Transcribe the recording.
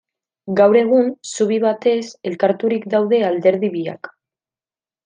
Gaur egun zubi batez elkarturik daude alderdi biak.